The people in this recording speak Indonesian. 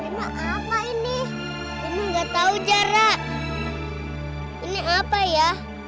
hai apa ini enggak tahu jarak ini apa ya